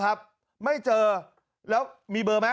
การนอนไม่จำเป็นต้องมีอะไรกัน